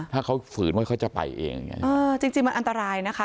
ถ้าเขาฝืนว่าเขาจะไปเองจริงมันอันตรายนะคะ